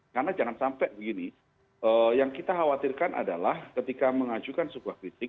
karena jangan sampai begini yang kita khawatirkan adalah ketika mengajukan sebuah kritik